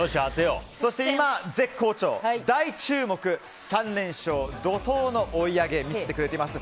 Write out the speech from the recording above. そして今、絶好調、大注目３連勝怒涛の追い上げを見せてくれています